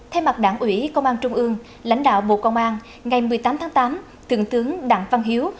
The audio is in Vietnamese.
thay mặt đảng ủy công an trung ương lãnh đạo bộ công an ngày một mươi tám tháng tám thượng tướng đặng văn hiếu